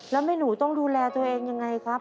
แล้วแม่หนูต้องดูแลตัวเองยังไงครับ